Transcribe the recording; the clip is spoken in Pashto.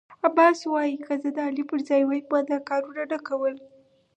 عباس وايی که زه د علي پر ځای وای ما دا کارنه کاوه.